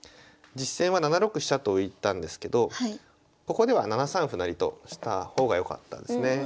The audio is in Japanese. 実戦は７六飛車と浮いたんですけどここでは７三歩成とした方がよかったんですね。